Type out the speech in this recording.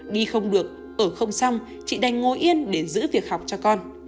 đi không được ở không xong chị đành ngồi yên để giữ việc học cho con